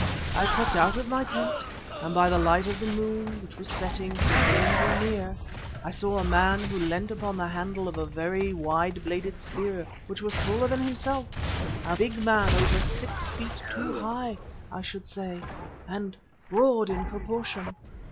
I crept out of my tent and by the light of the moon, which was setting, for dawn drew near, I saw a man who leant upon the handle of a very wide bladed spear which was taller than himself, a big man over six feet two high, I should say, and broad in proportion.